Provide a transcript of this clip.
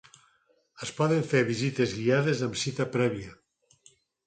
Es poden fer visites guiades amb cita prèvia.